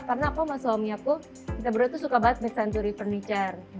karena aku sama suami aku kita berdua tuh suka banget besanturi furniture